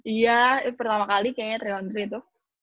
iya pertama kali kayaknya tiga x tiga itu